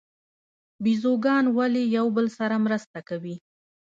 بیزوګان ولې یو بل سره مرسته کوي؟